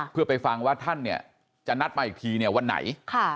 เพื่อไปฟังว่าท่านจะนัดมาอีกทีวันไหน